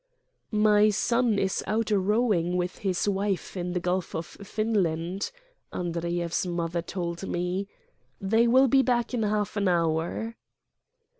"My son is out rowing with his wife in the Gulf of Finland," Andreyev's mother told me. "They will be back in half an hour."